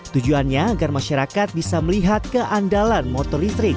tujuannya agar masyarakat bisa melihat keandalan motor listrik